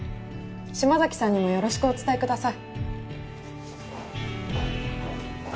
島崎さんにもよろしくお伝えください。